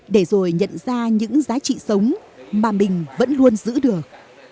để rồi nhận ra những giá trị sống mà mình vẫn luôn giữ được